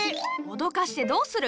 脅かしてどうする！